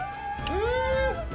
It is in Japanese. うん！